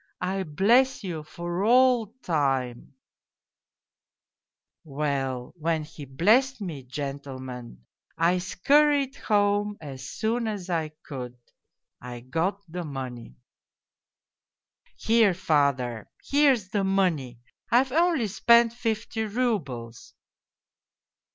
I bless you for all time !'" Well, when he blessed me, gentlemen, I scurried home as soon as I could. I got the money : "'Here, father, here's the money. I've only spent fifty roubles.'